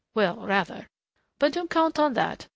Well, rather. But don't count on that.